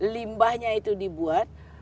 limbahnya itu dibuat